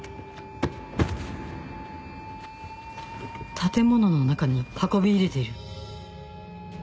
建物の中に運び入れている